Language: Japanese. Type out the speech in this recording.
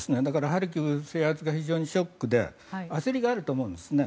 ハルキウ制圧が非常にショックで焦りがあると思うんです。